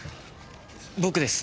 僕です。